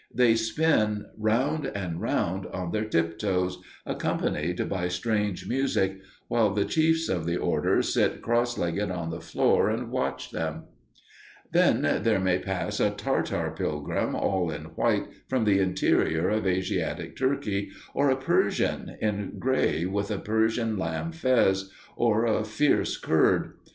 They spin round and round on their tiptoes, accompanied by strange music, while the chiefs of the order sit cross legged on the floor and watch them. Then there may pass a Tartar pilgrim all in white from the interior of Asiatic Turkey, or a Persian in gray with a Persian lamb fez, or a fierce Kurd.